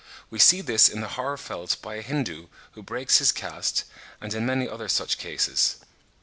We see this in the horror felt by a Hindoo who breaks his caste, and in many other such cases.